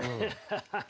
ハハハハ。